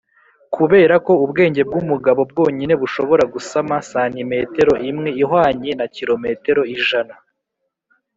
kuberako ubwenge bwumugabo bwonyine bushobora gusama santimetero imwe ihwanye na kilometero ijana.